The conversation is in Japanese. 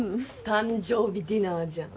誕生日ディナーじゃん。